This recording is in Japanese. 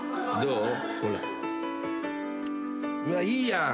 うわいいやん！